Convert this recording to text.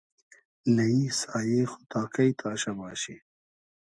نئیی سایې خو تا کݷ تاشۂ باشی